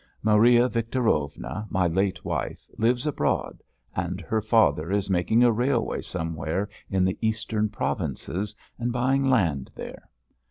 Maria Victorovna, my late wife, lives abroad, and her father is making a railway somewhere in the Eastern provinces and buying land there.